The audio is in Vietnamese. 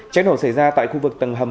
cháy nổ xảy ra tại khu vực tầng hầm